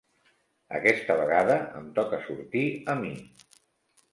Aquesta vegada em toca sortir a mi.